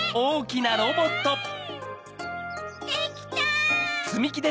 できた！